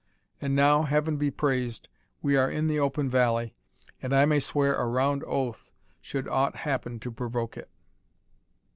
And now, Heaven be praised, we are in the open valley, and I may swear a round oath, should aught happen to provoke it."